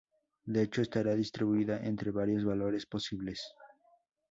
De hecho, estará distribuida entre varios valores posibles.